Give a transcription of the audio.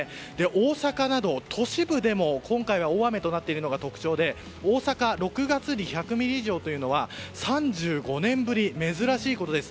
大阪など、都市部でも今回は大雨になっているのが特徴で、大阪６月に１００ミリ以上というのは３５年ぶり、珍しいことです。